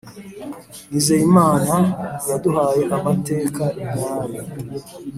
“nizeyimana yaduhaye amateka nyayo